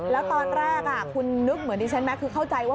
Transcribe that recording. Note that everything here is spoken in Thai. แล้วตอนแรกคุณนึกเหมือนดิฉันไหมคือเข้าใจว่า